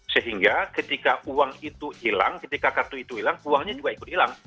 sehingga ketika uang itu hilang ketika kartu itu hilang uangnya juga ikut hilang